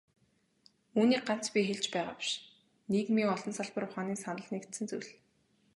Үүнийг ганц би хэлж байгаа биш, нийгмийн олон салбар ухааны санал нэгдсэн зүйл.